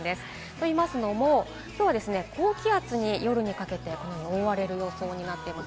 と言いますのも今日は高気圧に夜にかけて覆われる予想になっています。